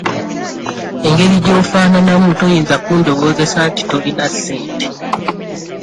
Engeri gy'ofaananamu toyinza kundowoozesa nti tolina ssente.